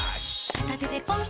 片手でポン！